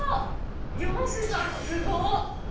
漁師さん、すごっ。